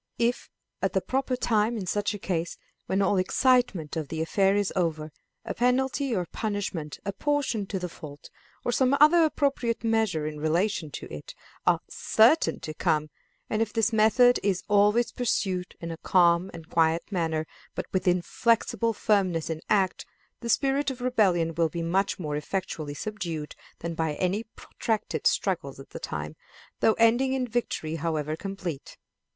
If, at the proper time, in such a case, when all the excitement of the affair is over, a penalty or punishment apportioned to the fault, or some other appropriate measures in relation to it, are certain to come, and if this method is always pursued in a calm and quiet manner but with inflexible firmness in act, the spirit of rebellion will be much more effectually subdued than by any protracted struggles at the time, though ending in victory however complete.